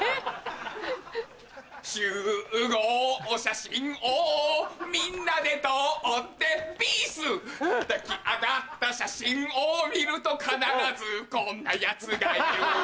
集合写真をみんなで撮ってピース出来上がった写真を見ると必ずこんな奴がいる